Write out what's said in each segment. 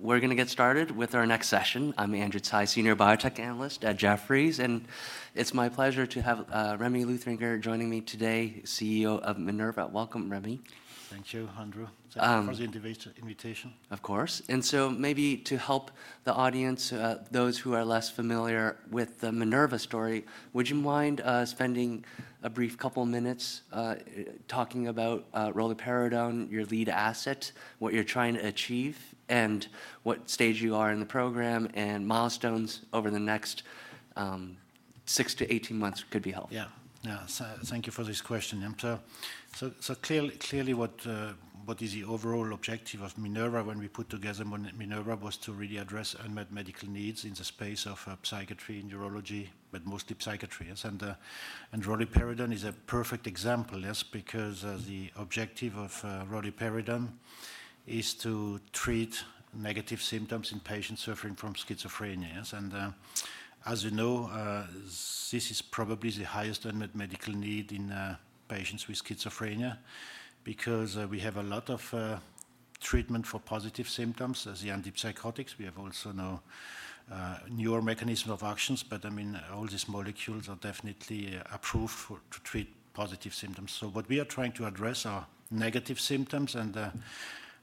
We're going to get started with our next session. I'm Andrew Tsai, Senior Biotech Analyst at Jefferies, and it's my pleasure to have Remy Luthringer joining me today, CEO of Minerva. Welcome, Remy. Thank you, Andrew, for the invitation. Of course. Maybe to help the audience, those who are less familiar with the Minerva story, would you mind spending a brief couple minutes talking about roluperidone, your lead asset, what you're trying to achieve, and what stage you are in the program and milestones over the next six to 18 months could be helpful? Yeah. Thank you for this question. Clearly, what is the overall objective of Minerva, when we put together Minerva, was to really address unmet medical needs in the space of psychiatry and neurology, but mostly psychiatry. Roluperidone is a perfect example. Yes. Because the objective of roluperidone is to treat negative symptoms in patients suffering from schizophrenia. As you know, this is probably the highest unmet medical need in patients with schizophrenia because we have a lot of treatment for positive symptoms as the antipsychotics. We have also now newer mechanism of actions, but all these molecules are definitely approved to treat positive symptoms. What we are trying to address are negative symptoms, and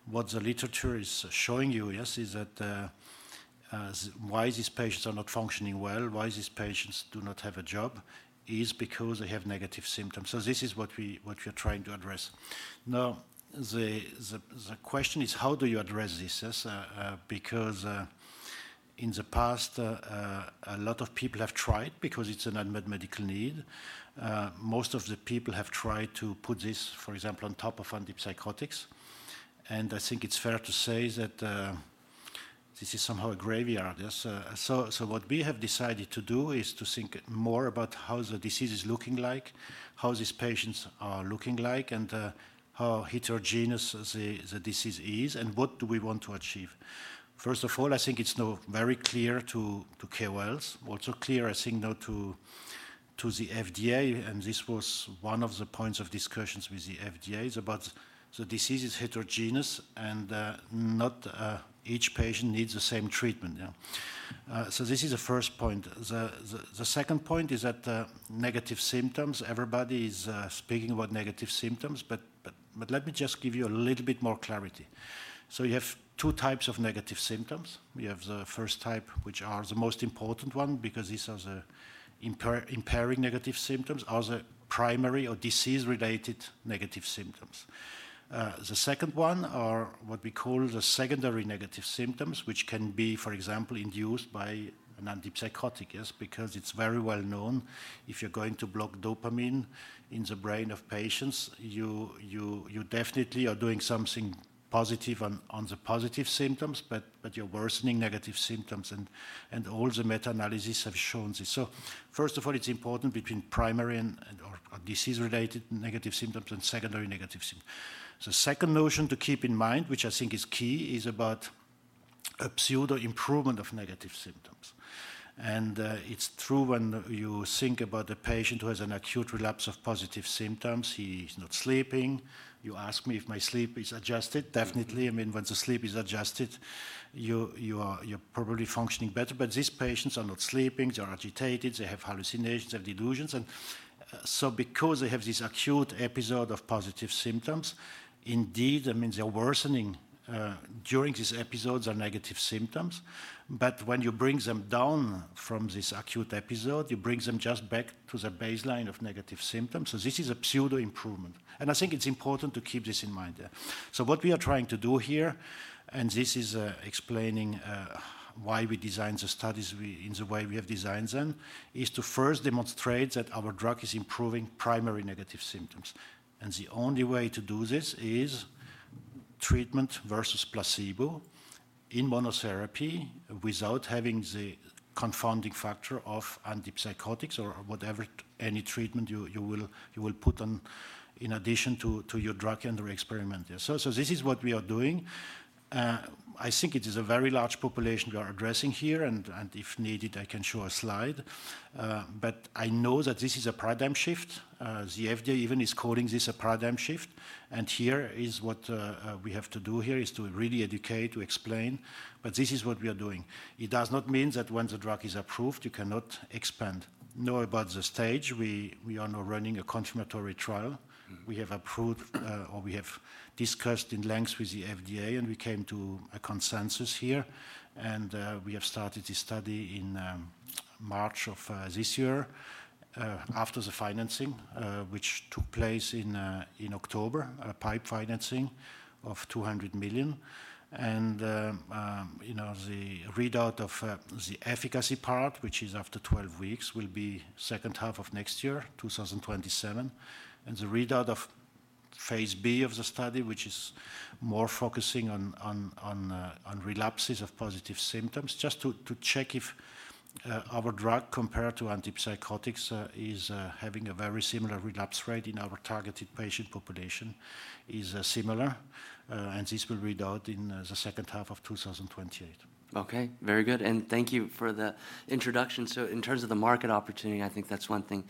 what the literature is showing you, yes, is that why these patients are not functioning well, why these patients do not have a job is because they have negative symptoms. This is what we are trying to address. Now, the question is how do you address this? Yes. In the past, a lot of people have tried because it's an unmet medical need. Most of the people have tried to put this, for example, on top of antipsychotics, and I think it's fair to say that this is somehow a graveyard. Yes. What we have decided to do is to think more about how the disease is looking like, how these patients are looking like, and how heterogeneous the disease is and what do we want to achieve. First of all, I think it's now very clear to KOLs, also clear a signal to the FDA, and this was one of the points of discussions with the FDA is about the disease is heterogeneous and not each patient needs the same treatment. This is the first point. The second point is that negative symptoms, everybody is speaking about negative symptoms, let me just give you a little bit more clarity. You have two types of negative symptoms. We have the first type, which are the most important one, because these are the impairing negative symptoms or the primary or disease-related negative symptoms. The second one are what we call the secondary negative symptoms, which can be, for example, induced by an antipsychotic. Yes. It's very well known if you're going to block dopamine in the brain of patients, you definitely are doing something positive on the positive symptoms, you're worsening negative symptoms. All the meta-analysis have shown this. First of all, it's important between primary and/or disease-related negative symptoms and secondary negative symptoms. The second notion to keep in mind, which I think is key, is about a pseudo improvement of negative symptoms. It's true when you think about a patient who has an acute relapse of positive symptoms, he's not sleeping. You ask me if my sleep is adjusted. Definitely. When the sleep is adjusted, you're probably functioning better. These patients are not sleeping. They're agitated. They have hallucinations, they have delusions. Because they have this acute episode of positive symptoms, indeed, that means they're worsening during these episodes or negative symptoms. When you bring them down from this acute episode, you bring them just back to the baseline of negative symptoms. This is a pseudo improvement, and I think it's important to keep this in mind. What we are trying to do here, and this is explaining why we design the studies in the way we have designed them, is to first demonstrate that our drug is improving primary negative symptoms. The only way to do this is treatment versus placebo in monotherapy without having the confounding factor of antipsychotics or whatever, any treatment you will put on in addition to your drug and the experiment. This is what we are doing. I think it is a very large population we are addressing here, and if needed, I can show a slide. I know that this is a paradigm shift. The FDA even is calling this a paradigm shift, and here is what we have to do here is to really educate, to explain, but this is what we are doing. It does not mean that when the drug is approved, you cannot expand. Now about the stage, we are now running a confirmatory trial. We have approved or we have discussed in length with the FDA, and we came to a consensus here, and we have started this study in March of this year after the financing which took place in October, PIPE financing of $200 million. The readout of the efficacy part, which is after 12 weeks, will be second half of next year, 2027. The readout of Phase B of the study, which is more focusing on relapses of positive symptoms just to check if our drug compared to antipsychotics is having a very similar relapse rate in our targeted patient population is similar. This will read out in the second half of 2028. Okay. Very good, thank you for the introduction. In terms of the market opportunity, I think that's one thing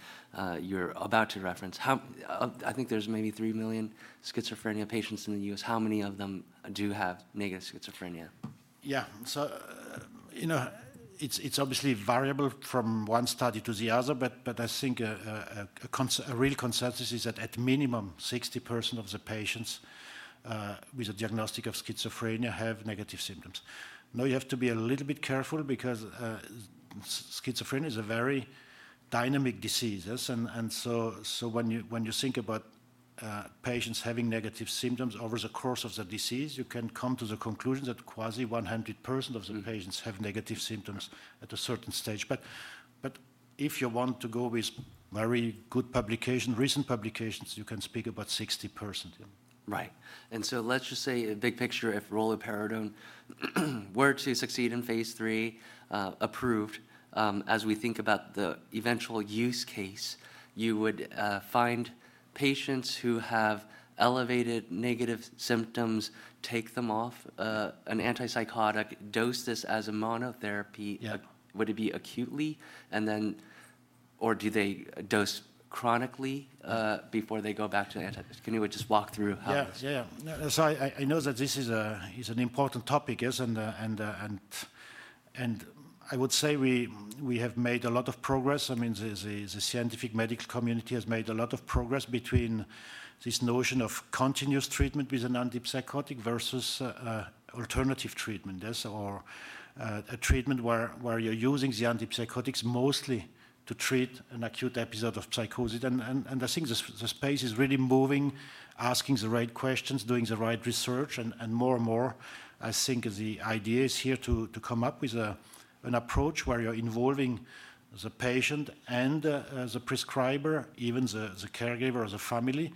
you're about to reference. I think there's maybe three million schizophrenia patients in the U.S. How many of them do have negative schizophrenia? Yeah. It's obviously variable from one study to the other, but I think a real consensus is that at minimum, 60% of the patients with a diagnostic of schizophrenia have negative symptoms. Now, you have to be a little bit careful because schizophrenia is a very dynamic disease. When you think about patients having negative symptoms over the course of the disease, you can come to the conclusion that quasi 100% of the patients have negative symptoms at a certain stage. If you want to go with very good recent publications, you can speak about 60%. Right. Let's just say big picture, if roluperidone were to succeed in phase III, approved, as we think about the eventual use case, you would find patients who have elevated negative symptoms, take them off an antipsychotic, dose this as a monotherapy. Yeah. Would it be acutely or do they dose chronically before they go back to? Can you just walk through? I know that this is an important topic, yes. I would say we have made a lot of progress. The scientific medical community has made a lot of progress between this notion of continuous treatment with an antipsychotic versus alternative treatment, yes. A treatment where you're using the antipsychotics mostly to treat an acute episode of psychosis. I think the space is really moving, asking the right questions, doing the right research, and more. I think the idea is here to come up with an approach where you're involving the patient and the prescriber, even the caregiver or the family,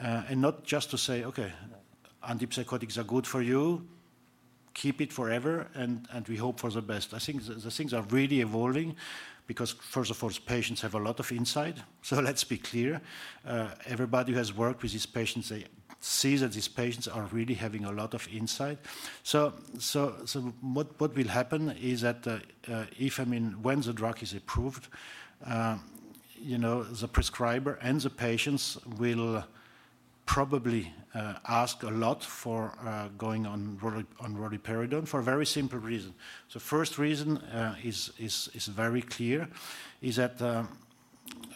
and not just to say, "Okay, antipsychotics are good for you. Keep it forever, and we hope for the best." I think the things are really evolving because first of all, patients have a lot of insight. Let's be clear. Everybody who has worked with these patients, they see that these patients are really having a lot of insight. What will happen is that when the drug is approved, the prescriber and the patients will probably ask a lot for going on roluperidone for a very simple reason. The first reason is very clear, is that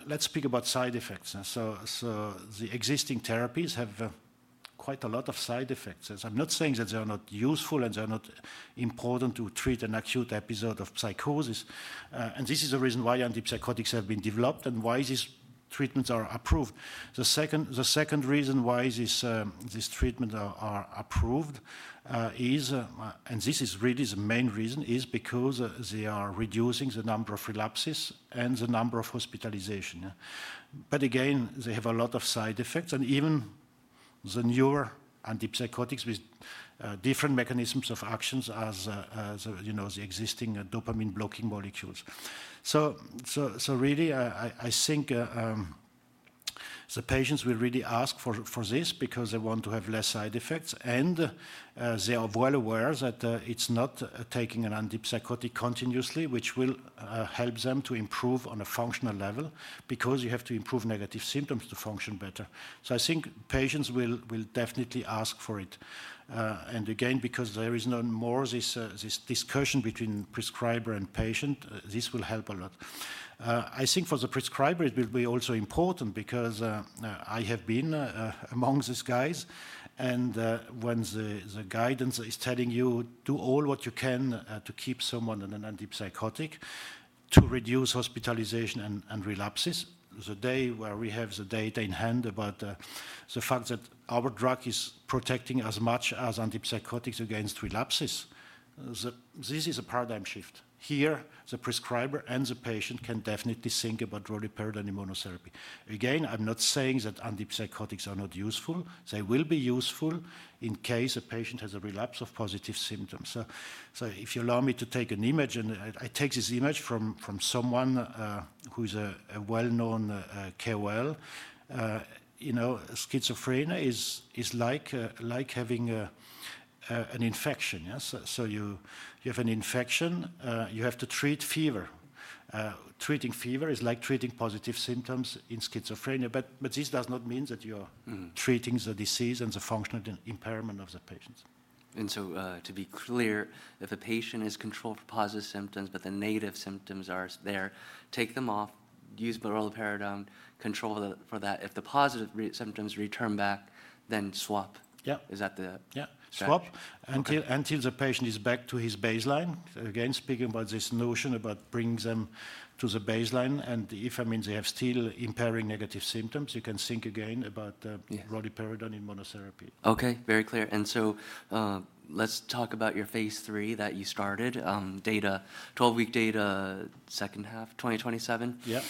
let's speak about side effects. The existing therapies have quite a lot of side effects. I'm not saying that they're not useful and they're not important to treat an acute episode of psychosis. This is the reason why antipsychotics have been developed and why these treatments are approved. The second reason why these treatments are approved is, and this is really the main reason, is because they are reducing the number of relapses and the number of hospitalization. Again, they have a lot of side effects, and even the newer antipsychotics with different mechanisms of action as the existing dopamine blocking molecules. Really, I think the patients will really ask for this because they want to have less side effects, and they are well aware that it's not taking an antipsychotic continuously, which will help them to improve on a functional level, because you have to improve negative symptoms to function better. I think patients will definitely ask for it. Again, because there is no more this discussion between prescriber and patient, this will help a lot. I think for the prescriber, it will be also important because I have been among these guys, and when the guidance is telling you do all what you can to keep someone on an antipsychotic to reduce hospitalization and relapses, the day where we have the data in hand about the fact that our drug is protecting as much as antipsychotics against relapses, this is a paradigm shift. Here, the prescriber and the patient can definitely think about roluperidone in monotherapy. I'm not saying that antipsychotics are not useful. They will be useful in case a patient has a relapse of positive symptoms. If you allow me to take an image, and I take this image from someone who's a well-known KOL. Schizophrenia is like having an infection. You have an infection, you have to treat fever. Treating fever is like treating positive symptoms in schizophrenia, but this does not mean that you are treating the disease and the functional impairment of the patients. To be clear, if a patient is controlled for positive symptoms, but the negative symptoms are there, take them off, use roluperidone, control for that. If the positive symptoms return back, then swap. Yeah. Is that the-. Yeah. Strategy? Swap. Okay. Until the patient is back to his baseline. Again, speaking about this notion about bringing them to the baseline, and if they have still impairing negative symptoms, you can think again about. Yeah. Roluperidone in monotherapy. Okay. Very clear. Let's talk about your phase III that you started. 12-week data, second half 2027. Yeah.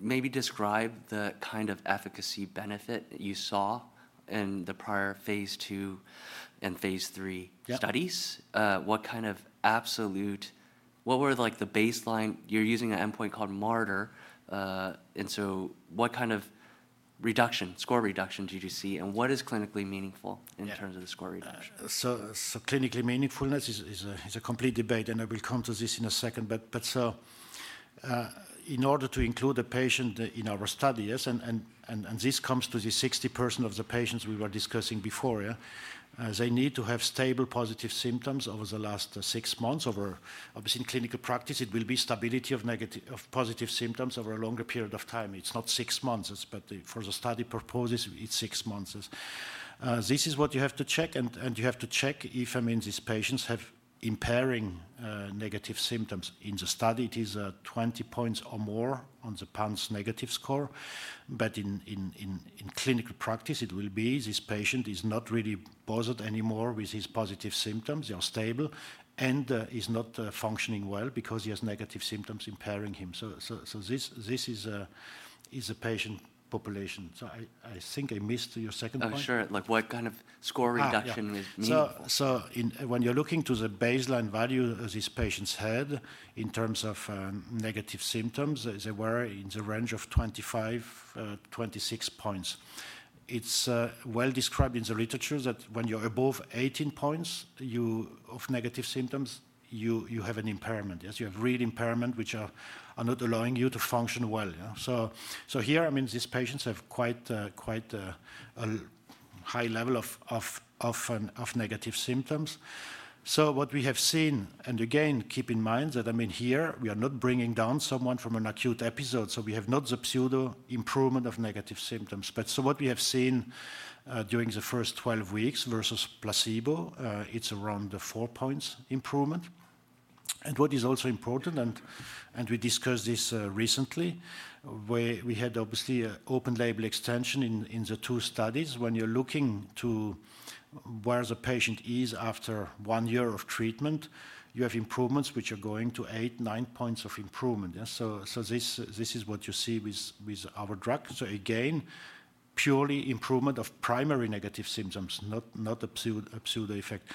Maybe describe the kind of efficacy benefit that you saw in the prior phase II and phase III. Yeah. Studies. You're using an endpoint called Marder, and so what kind of score reduction did you see, and what is clinically meaningful in terms of the score reduction? Clinically meaningfulness is a complete debate, and I will come to this in a second. In order to include the patient in our study, and this comes to the 60% of the patients we were discussing before. They need to have stable positive symptoms over the last six months. Obviously, in clinical practice, it will be stability of positive symptoms over a longer period of time. It's not six months, but for the study purposes, it's six months. This is what you have to check, and you have to check if these patients have impairing negative symptoms. In the study, it is 20 points or more on the PANSS negative score. In clinical practice, it will be this patient is not really bothered anymore with his positive symptoms, they are stable, and is not functioning well because he has negative symptoms impairing him. This is a patient population. I think I missed your second point. Oh, sure. What kind of score reduction? Yeah. Is meaningful? When you're looking to the baseline value that these patients had in terms of negative symptoms, they were in the range of 25, 26 points. It's well described in the literature that when you're above 18 points of negative symptoms, you have an impairment. Yes, you have real impairment which are not allowing you to function well. Here, these patients have quite a high level of negative symptoms. What we have seen, and again, keep in mind that here we are not bringing down someone from an acute episode, so we have not the pseudo improvement of negative symptoms. What we have seen during the first 12 weeks versus placebo, it's around the four points improvement. What is also important, and we discussed this recently, where we had obviously a open label extension in the two studies. When you're looking to where the patient is after one year of treatment, you have improvements which are going to eight, nine points of improvement. This is what you see with our drug. Purely improvement of primary negative symptoms, not absolute effect.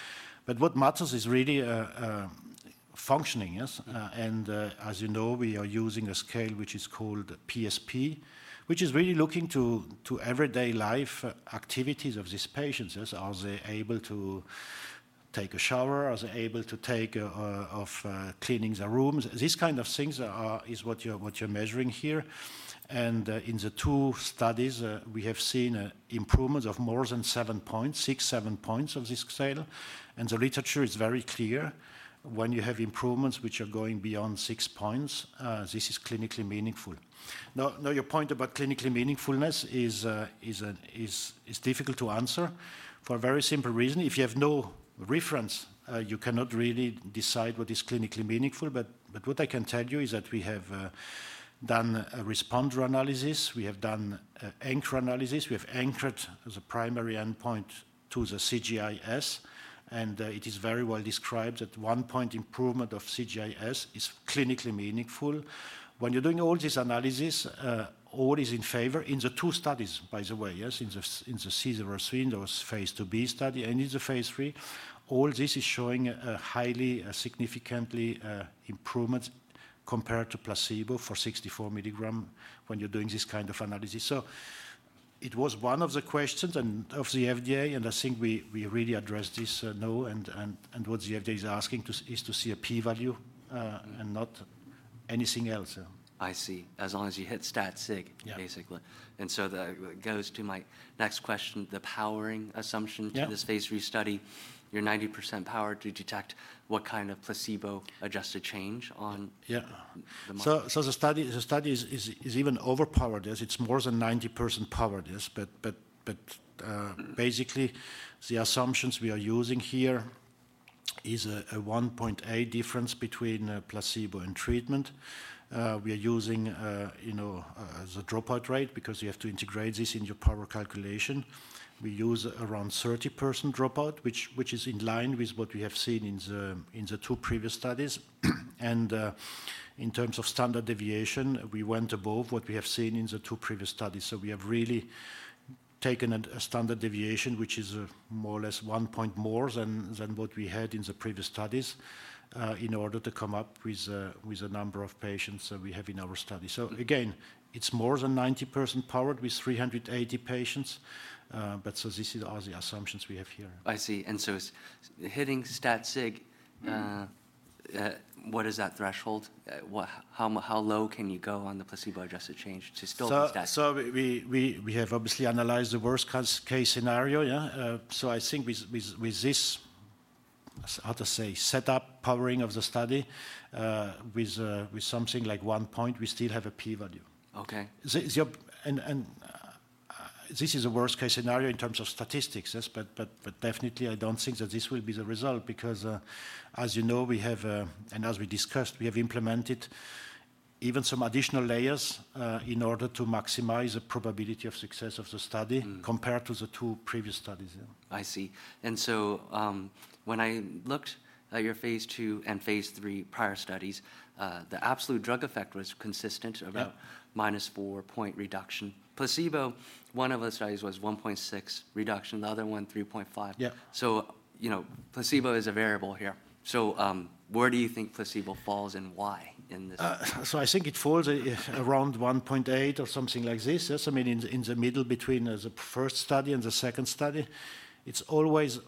What matters is really functioning. As you know, we are using a scale which is called PSP, which is really looking to everyday life activities of these patients. Are they able to take a shower? Are they able to take of cleaning the rooms? These kind of things are what you're measuring here. In the two studies, we have seen improvement of more than seven points, six, seven points of this scale. The literature is very clear when you have improvements which are going beyond six points, this is clinically meaningful. Your point about clinical meaningfulness is difficult to answer for a very simple reason. If you have no reference, you cannot really decide what is clinically meaningful. What I can tell you is that we have done a responder analysis. We have done anchor analysis. We have anchored the primary endpoint to the CGI-S, it is very well described that one point improvement of CGI-S is clinically meaningful. When you're doing all this analysis, all is in favor in the two studies, by the way. Yes, in the CGI-S or placebo phase II-B study and in the phase III, all this is showing a highly significantly improvement compared to placebo for 64 mg when you're doing this kind of analysis. It was one of the questions of the FDA, I think we really addressed this now. What the FDA is asking is to see a P value and not anything else. I see. As long as you hit stat sig- Yeah. Basically. That goes to my next question. Yeah. To this phase III study. Your 90% power to detect what kind of placebo adjusted change? Yeah. The molecule. The study is even overpowered. It's more than 90% powered. Basically, the assumptions we are using here is a 1.8 difference between placebo and treatment. We are using the dropout rate because you have to integrate this in your power calculation. We use around 30% dropout, which is in line with what we have seen in the two previous studies. In terms of standard deviation, we went above what we have seen in the two previous studies. We have really taken a standard deviation, which is more or less one point more than what we had in the previous studies, in order to come up with a number of patients that we have in our study. Again, it's more than 90% powered with 380 patients. These are the assumptions we have here. I see. Hitting stat sig, what is that threshold? How low can you go on the placebo-adjusted change to still hit stat sig? We have obviously analyzed the worst case scenario. I think with this, how to say, setup powering of the study, with something like one point, we still have a P value. Okay. This is a worst case scenario in terms of statistics. Definitely I don't think that this will be the result because, as you know, we have, and as we discussed, we have implemented even some additional layers, in order to maximize the probability of success of the study compared to the two previous studies. I see. When I looked at your phase II and phase III prior studies, the absolute drug effect was consistent of- Yeah. Minus four point reduction. Placebo, one of the studies was 1.6 reduction, the other one 3.5. Yeah. Placebo is a variable here. Where do you think placebo falls and why in this study? I think it falls around 1.8 or something like this. Yes, in the middle between the first study and the second study. It's always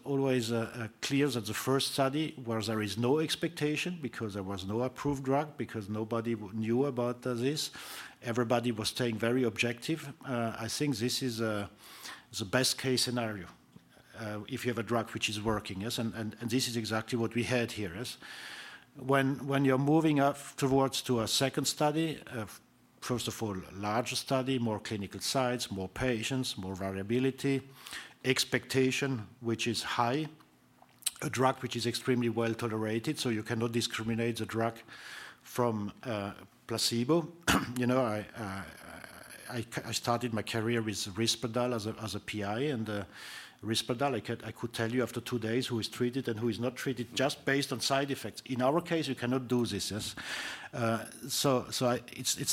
clear that the first study where there is no expectation because there was no approved drug, because nobody knew about this, everybody was staying very objective. I think this is the best case scenario. If you have a drug which is working, yes, and this is exactly what we had here. When you're moving up towards to a second study, first of all, a larger study, more clinical sites, more patients, more variability, expectation, which is high. A drug which is extremely well-tolerated, so you cannot discriminate the drug from a placebo. I started my career with Risperdal as a PI, and Risperdal, I could tell you after two days who is treated and who is not treated just based on side effects. It's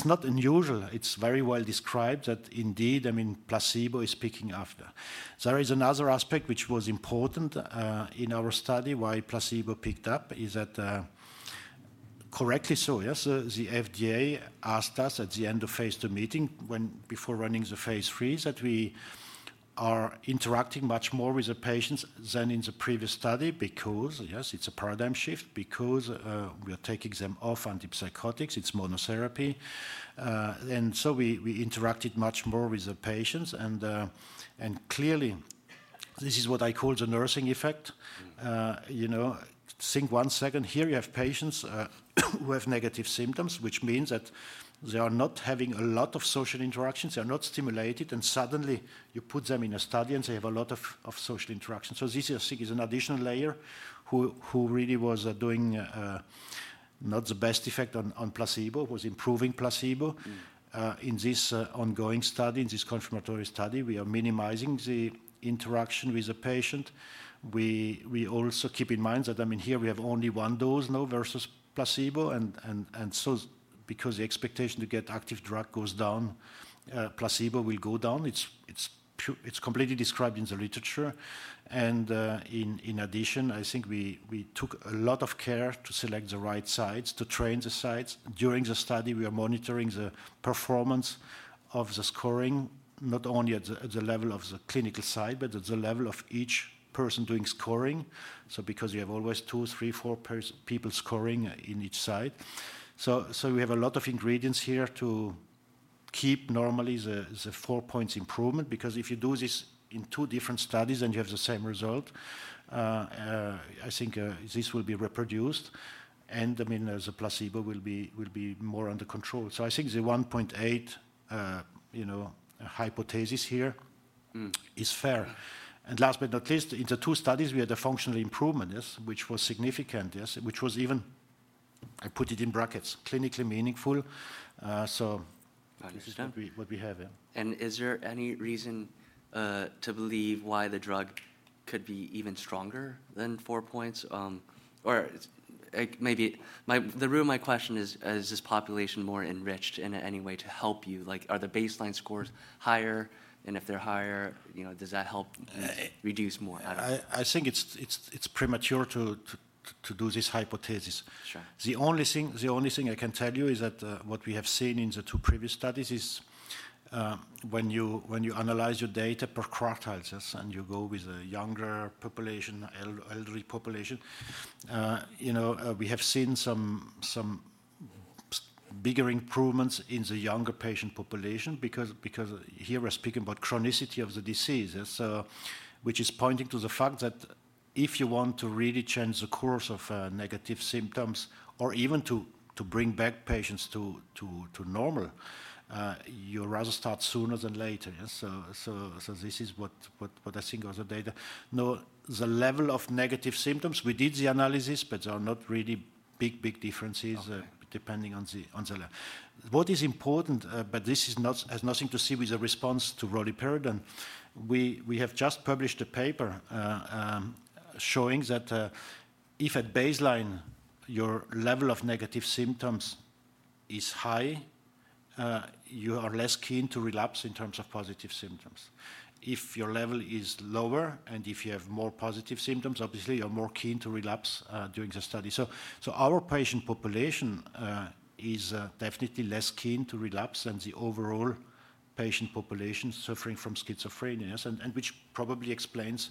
not unusual. It's very well described that indeed, placebo is picking after. There is another aspect which was important, in our study why placebo picked up is that, correctly so, yes, the FDA asked us at the end of phase II meeting before running the phase IIIs that we are interacting much more with the patients than in the previous study because it's a paradigm shift, because we are taking them off antipsychotics. It's monotherapy. We interacted much more with the patients and, clearly this is what I call the nursing effect. Think one second here, you have patients who have negative symptoms, which means that they are not having a lot of social interactions. They are not stimulated, and suddenly you put them in a study, and they have a lot of social interaction. This, I think, is an additional layer who really was doing not the best effect on placebo, was improving placebo. In this ongoing study, in this confirmatory study, we are minimizing the interaction with the patient. We also keep in mind that here we have only one dose now versus placebo, and so because the expectation to get active drug goes down, placebo will go down. It's completely described in the literature. In addition, I think we took a lot of care to select the right sites, to train the sites. During the study, we are monitoring the performance of the scoring, not only at the level of the clinical site, but at the level of each person doing scoring. Because you have always two, three, four people scoring in each site. We have a lot of ingredients here to keep normally the four points improvement, because if you do this in two different studies and you have the same result, I think this will be reproduced and the placebo will be more under control. I think the 1.8 hypothesis here is fair. Last but not least, in the two studies, we had a functional improvement. Yes. Which was significant. Yes. Which was even, I put it in brackets, clinically meaningful. Understood. This is what we have here. Is there any reason to believe why the drug could be even stronger than four points? Maybe the root of my question is this population more enriched in any way to help you? Are the baseline scores higher? If they're higher, does that help reduce more? I don't know. I think it's premature to do this hypothesis. Sure. The only thing I can tell you is that what we have seen in the two previous studies is, when you analyze your data per quartiles, yes, and you go with a younger population, elderly population. We have seen some bigger improvements in the younger patient population because here we're speaking about chronicity of the disease. Which is pointing to the fact that if you want to really change the course of negative symptoms or even to bring back patients to normal, you rather start sooner than later. Yes. This is what I think of the data. No, the level of negative symptoms, we did the analysis, but there are not really big differences. Okay. Depending on the level. What is important, but this has nothing to see with the response to roluperidone, we have just published a paper showing that, if at baseline your level of negative symptoms is high, you are less keen to relapse in terms of positive symptoms. If your level is lower and if you have more positive symptoms, obviously, you're more keen to relapse during the study. Our patient population is definitely less keen to relapse than the overall patient population suffering from schizophrenia, yes. Which probably explains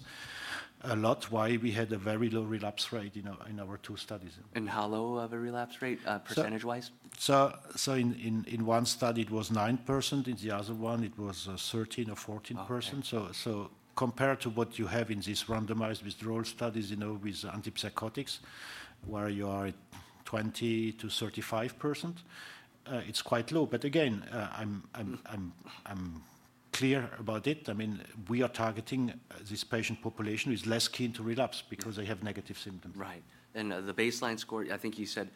a lot why we had a very low relapse rate in our two studies. How low of a relapse rate, percentage-wise? In one study, it was 9%, in the other one it was 13% or 14%. Okay. Compared to what you have in these randomized withdrawal studies with antipsychotics, where you are at 20%-35%, it's quite low. Again, I'm clear about it. We are targeting this patient population who is less keen to relapse because they have negative symptoms. Right. The baseline score, I think you said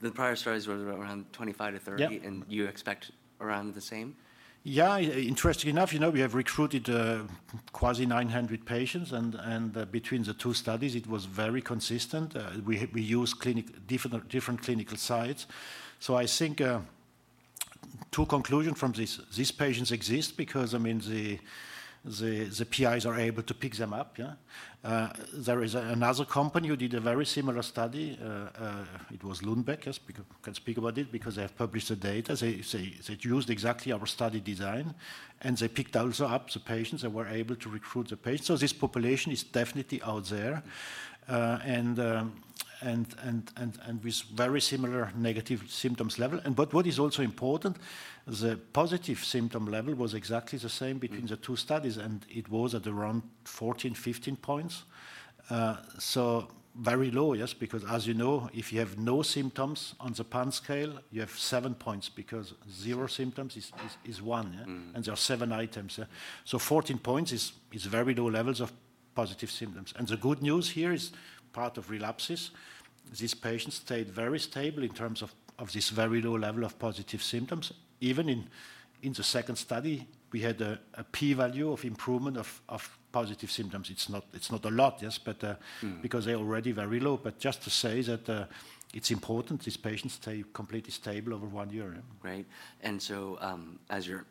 the prior studies were around 25 to 30. Yeah. You expect around the same? Interesting enough, we have recruited quasi 900 patients. Between the two studies, it was very consistent. We used different clinical sites. I think two conclusion from this. These patients exist because the PIs are able to pick them up. There is another company who did a very similar study. It was Lundbeck. We can speak about it because they have published the data. They used exactly our study design. They picked also up the patients and were able to recruit the patients. This population is definitely out there. With very similar negative symptoms level. What is also important, the positive symptom level was exactly the same between the two studies. It was at around 14, 15 points. Very low, yes, because as you know, if you have no symptoms on the PANSS scale, you have seven points because zero symptoms is one, yeah. There are seven items. 14 points is very low levels of positive symptoms. The good news here is part of relapses, these patients stayed very stable in terms of this very low level of positive symptoms. Even in the second study, we had a P value of improvement of positive symptoms. It's not a lot, yes? They're already very low, but just to say that it's important these patients stay completely stable over one year. Great. As you're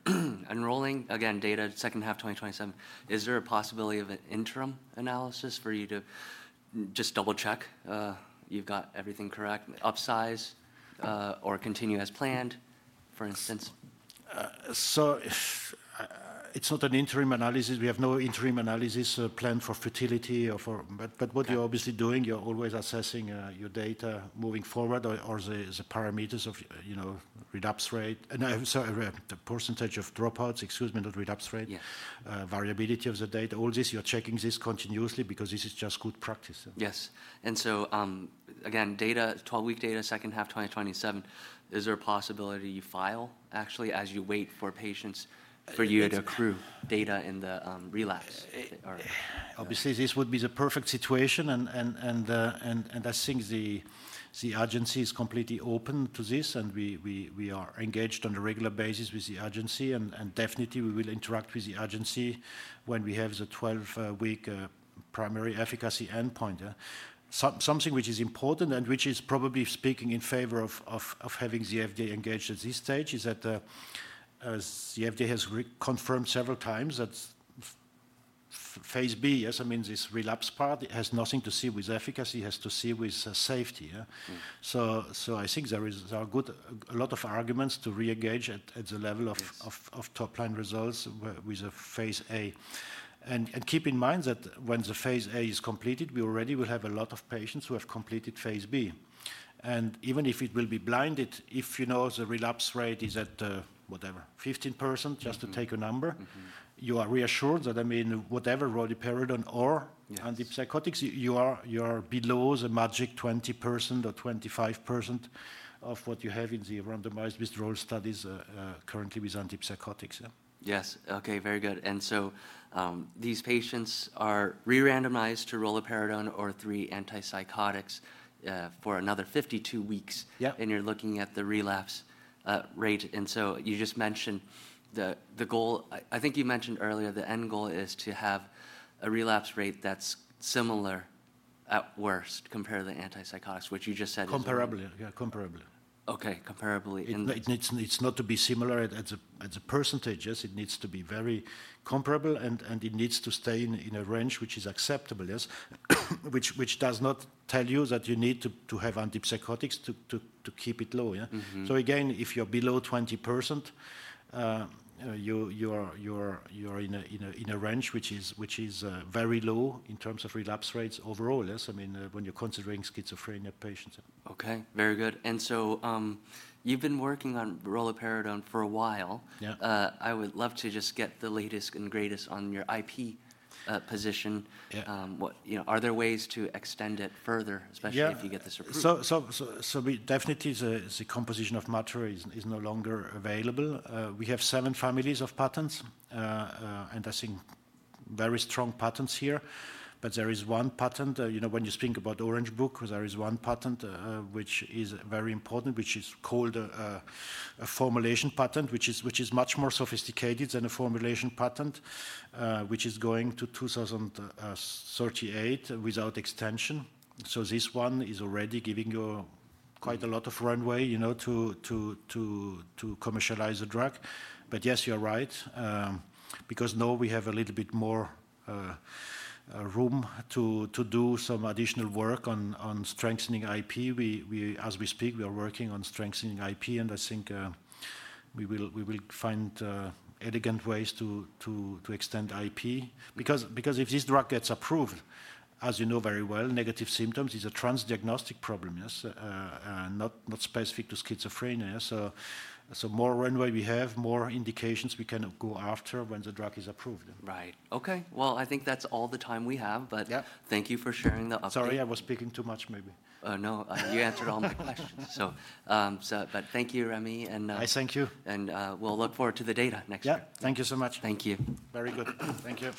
enrolling, again, data second half 2027, is there a possibility of an interim analysis for you to just double check you've got everything correct, upsize or continue as planned, for instance? It's not an interim analysis. We have no interim analysis planned for futility. Okay. What you're obviously doing, you're always assessing your data moving forward or the parameters of relapse rate. No, sorry, the percentage of dropouts, excuse me, not relapse rate. Yeah. Variability of the data, all this, you're checking this continuously because this is just good practice. Yes. Again, 12-week data second half 2027, is there a possibility you file actually as you wait for patients for you to accrue data in the relapse? Obviously, this would be the perfect situation. I think the agency is completely open to this. We are engaged on a regular basis with the agency. Definitely we will interact with the agency when we have the 12-week primary efficacy endpoint. Something which is important and which is probably speaking in favor of having the FDA engaged at this stage is that the FDA has reconfirmed several times that phase B, yes, this relapse part, it has nothing to see with efficacy. It has to see with safety, yeah? I think there are a lot of arguments to reengage at the level. Yes. Of top-line results with the phase A. Keep in mind that when the phase A is completed, we already will have a lot of patients who have completed phase B. Even if it will be blinded, if you know the relapse rate is at, whatever, 15%, just to take a number. You are reassured that whatever roluperidone. Yes. Antipsychotics, you are below the magic 20% or 25% of what you have in the randomized withdrawal studies currently with antipsychotics, yeah. Yes. Okay, very good. These patients are re-randomized to roluperidone or three antipsychotics for another 52 weeks. Yeah. You're looking at the relapse rate, and so you just mentioned the goal. I think you mentioned earlier the end goal is to have a relapse rate that's similar at worst compared to the antipsychotics, which you just said. Comparably, yeah. Okay. Comparably. It's not to be similar at the percentages. It needs to be very comparable, and it needs to stay in a range which is acceptable, yes. Which does not tell you that you need to have antipsychotics to keep it low, yeah. If you're below 20%, you're in a range which is very low in terms of relapse rates overall, yes, when you're considering schizophrenia patients. Okay. Very good. You've been working on roluperidone for a while. Yeah. I would love to just get the latest and greatest on your IP position. Yeah. Are there ways to extend it further? Yeah. Especially if you get this approved? Definitely the composition of matter is no longer available. We have seven families of patents, and I think very strong patents here. There is one patent when you think about Orange Book, there is one patent which is very important, which is called a formulation patent, which is much more sophisticated than a formulation patent, which is going to 2038 without extension. This one is already giving you quite a lot of runway to commercialize the drug. Yes, you're right. Now we have a little bit more room to do some additional work on strengthening IP. As we speak, we are working on strengthening IP, and I think we will find elegant ways to extend IP. If this drug gets approved, as you know very well, negative symptoms is a transdiagnostic problem, yes, and not specific to schizophrenia. More runway we have, more indications we can go after when the drug is approved. Right. Okay. Well, I think that's all the time we have. Yeah Thank you for sharing the update. Sorry, I was speaking too much, maybe. Oh, no. You answered all my questions. Thank you, Remy. I thank you. We'll look forward to the data next year. Yeah. Thank you so much. Thank you. Very good. Thank you.